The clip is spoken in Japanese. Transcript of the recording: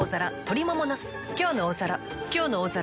「きょうの大皿」